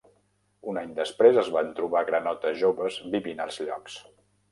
Un any després es van trobar granotes joves vivint als llocs.